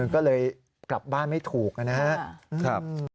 ก็เลยกลับบ้านไม่ถูกนะครับ